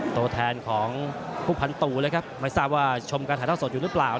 โตแทนของผู้พันตุไม่ทราบว่าชมการถ่ายเท้าสดอยู่หรือเปล่า